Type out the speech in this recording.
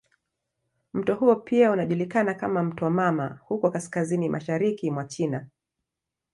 Mto huo pia unajulikana kama "mto mama" huko kaskazini mashariki mwa China.